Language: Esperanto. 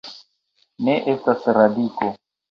Ne estas radiko.